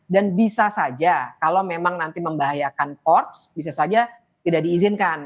dan bisa saja kalau memang nanti membahayakan korps bisa saja tidak diizinkan